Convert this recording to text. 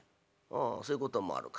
「あそういうこともあるか。